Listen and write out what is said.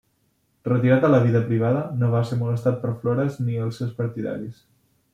Retirat a la vida privada, no va ser molestat per Flores ni els seus partidaris.